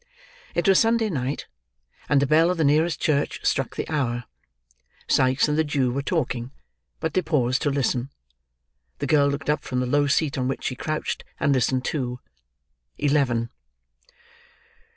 It was Sunday night, and the bell of the nearest church struck the hour. Sikes and the Jew were talking, but they paused to listen. The girl looked up from the low seat on which she crouched, and listened too. Eleven.